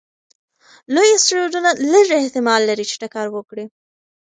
لوی اسټروېډونه لږ احتمال لري چې ټکر وکړي.